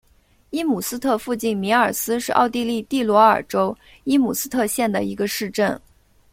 伊姆斯特附近米尔斯是奥地利蒂罗尔州伊姆斯特县的一个市镇。